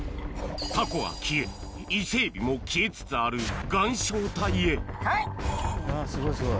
タコは消え伊勢えびも消えつつあるあすごいすごい。